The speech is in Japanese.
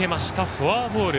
フォアボール。